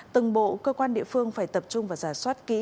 từng bộ cơ quan địa phương phải tập trung và giả soát kỹ